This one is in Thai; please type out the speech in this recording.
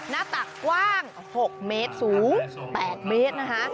หน้าตักกว้าง๖เมตรสูง๘เมตรนะคะ